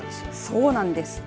そうなんです